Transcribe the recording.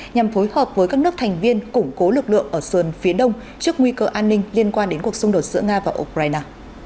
nhằm phối hợp với các nước thành viên củng cố lực lượng ở sơn phía đông trước nguy cơ an ninh liên quan đến cuộc xung đột giữa nga và ukraine